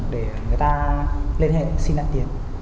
để người ta liên hệ xin lại tiền